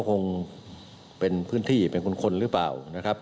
ทางนั้นมันก็คงเป็นพื้นที่เป็นคนหรือเปล่านะครับ